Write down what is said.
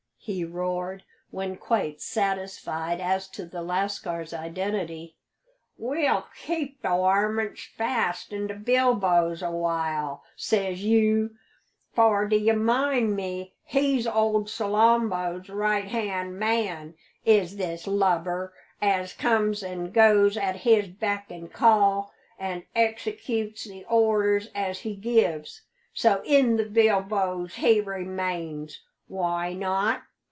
he roared, when quite satisfied as to the lascar's identity, "we'll keep the warmint fast in the bilboes a while, says you; for, d'ye mind me, he's old Salambo's right hand man, is this lubber, as comes an' goes at his beck an' call, an' executes the orders as he gives. So in the bilboes he remains; why not?